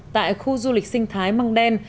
tại khu du lịch sinh thái măng đen